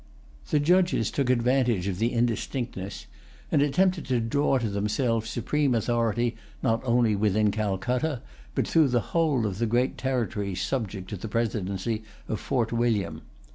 The judges took advantage of the indistinctness, and attempted to draw to themselves supreme authority, not only within Calcutta, but through the whole of the great territory subject to the presidency of Fort William.